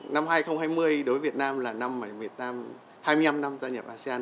năm hai nghìn hai mươi đối với việt nam là năm hai mươi năm năm gia nhập asean